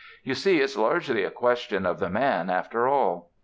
You see it's largely a question of the man after all.